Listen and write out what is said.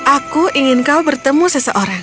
aku ingin kau bertemu seseorang